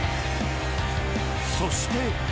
そして。